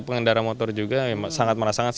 pengendara motor juga sangat merasakan